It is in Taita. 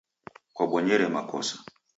Kwabonyere makosa.